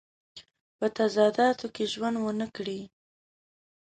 په تضاداتو کې ژوند ونه کړي.